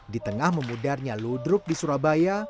di tengah memudarnya ludruk di surabaya